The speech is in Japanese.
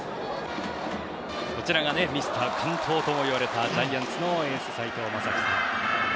こちらがミスター完投ともいわれたジャイアンツのエース斎藤雅樹さん。